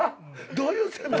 どういう先輩。